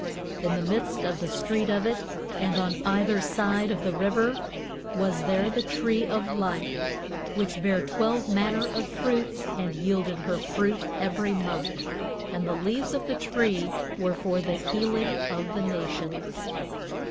In the midst of the street of it, and on either side of the river, was there the tree of life, which bare twelve manner of fruits and yielded her fruit every month; and the leaves of the tree were for the healing of the nations."